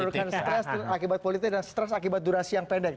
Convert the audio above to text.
menimbulkan stres akibat politik dan stres akibat durasi yang pendek